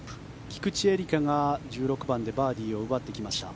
菊地絵理香が１６番でバーディーを奪ってきました。